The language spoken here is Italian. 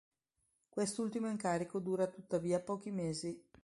Quest'ultimo incarico dura tuttavia pochi mesi.